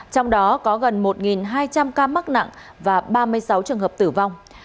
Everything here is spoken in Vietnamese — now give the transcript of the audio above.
trong đó có gần một hai trăm linh ca mắc nặng và ba mươi sáu trường hợp tử vong